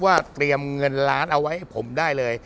เตรียมเงินล้านเอาไว้ให้ผมได้เลย